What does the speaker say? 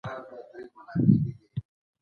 مهرباني وکړئ خپله څېړنه له مادي غوښتنو پاکه وساتئ.